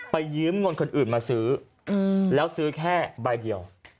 ยืมเงินคนอื่นมาซื้อแล้วซื้อแค่ใบเดียว